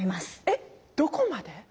えっどこまで？